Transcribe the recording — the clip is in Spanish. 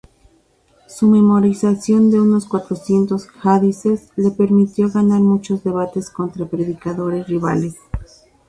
Su memorización de unos cuatrocientos "hadices" le permitió ganar muchos debates contra predicadores rivales.